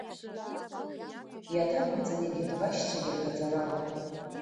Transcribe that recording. Иаҭабымҵан егьырҭ башьцәагьы, ргаӡарала.